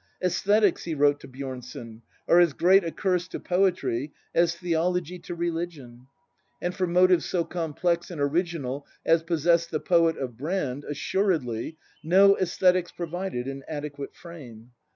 " iEsthetics," he wrote to Bjornson, "are as great a curse to poetry as theology to religion"; and for motives so complex and original as possessed the poet of Brand, assuredly, no aesthetics pro vided an adequate frame.